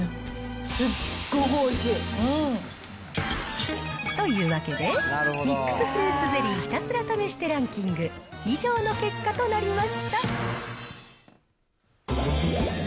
すっごくおいしい！というわけで、ミックスフルーツゼリーひたすら試してランキング、以上の結果となりました。